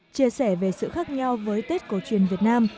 chia sẻ về sự khác nhau với tết cổ truyền việt nam